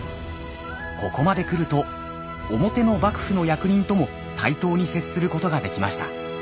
ここまで来ると表の幕府の役人とも対等に接することができました。